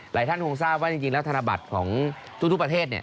ท่านคงทราบว่าจริงแล้วธนบัตรของทุกประเทศ